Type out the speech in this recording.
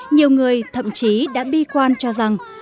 nhiều người thậm chí đã bi quan cho rằng